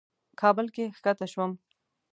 کابل کې کښته شوم.